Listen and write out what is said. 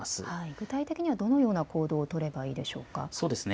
具体的にはどのような行動を取ればよいでしょうか。